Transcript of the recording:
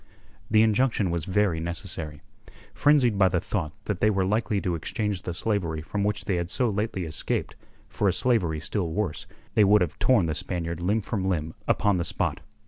The injunction was very necessary. Frenzied by the thought that they were likely to exchange the slavery from which they had so lately escaped for a slavery still worse, they would have torn the Spaniard limb from limb upon the spot.